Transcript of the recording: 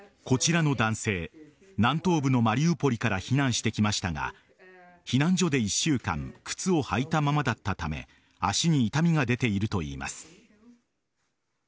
こちらの男性南東部のマリウポリから避難してきましたが避難所で１週間靴を履いたままだったため足に痛みが出ているといいます。